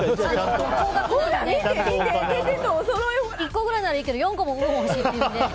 １個くらいならいいけど４個も５個も欲しいというので。